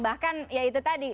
bahkan ya itu tadi